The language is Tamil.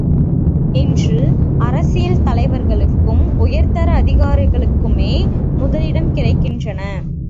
இன்று அரசியல் தலைவர்கட்கும் உயர்தர அதிகாரிகட்குமே முதலிடம் கிடைக்கின்றது.